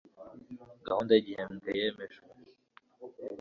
gahunda y'igihembwe yemejwe